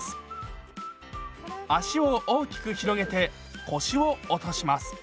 足を大きく広げて腰を落とします。